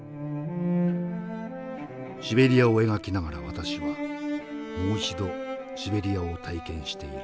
「シベリヤを描きながら私はもう一度シベリヤを体験している。